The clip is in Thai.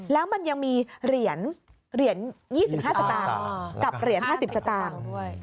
แล้วมันยังมีเหรียญ๒๕สตางค์กับเหรียญ๕๐สตางค์